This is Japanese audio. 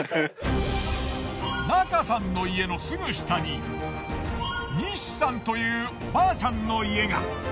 中さんの家のすぐ下に西さんというおばあちゃんの家が。